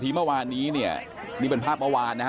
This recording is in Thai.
คุณตำรวจครับนี่ออกมาใจเย็นพี่เขาพี่เขาพี่เขา